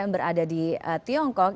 yang berada di tiongkok